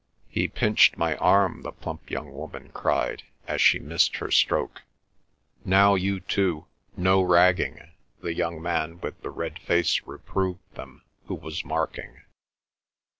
"He pinched my arm!" the plump young woman cried, as she missed her stroke. "Now you two—no ragging," the young man with the red face reproved them, who was marking.